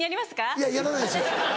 いややらないです。